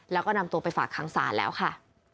แล้วก็นำตัวไปฝากค้างศาลแล้วค่ะ